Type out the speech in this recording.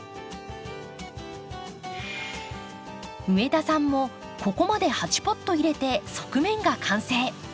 上田さんもここまで８ポット入れて側面が完成。